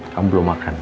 kamu belum makan